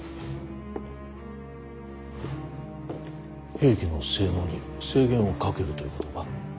兵器の性能に制限をかけるということか？